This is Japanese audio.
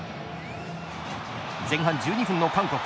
前半１２分の韓国。